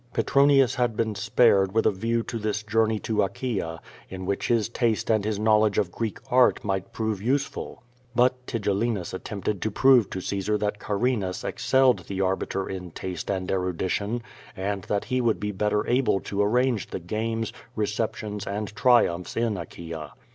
Petronius had been spared with a view to this journey to Achaea, in which his taste and his knowledge of Greek art might prove useful. But Tigellinus attempted to pro\e to Caesar that Carinas excelled the Arbiter in taste and erudi tion, and that he would be better able to arrange the games, receptions and triumphs in Achaea.